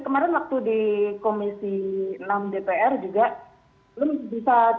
kemarin waktu di komisi enam dpr juga belum bisa